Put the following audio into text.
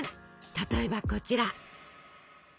例えばこちら。